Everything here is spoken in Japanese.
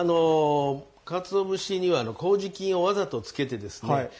かつお節にはこうじ菌をわざとつけてですね